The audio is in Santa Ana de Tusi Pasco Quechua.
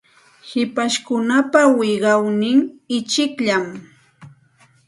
Hipashkunapa wiqawnin ichikllam.